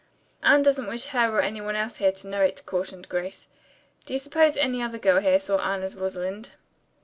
"Anne doesn't wish her or any one else here to know it," cautioned Grace. "Do you suppose any other girl here saw Anne as Rosalind?"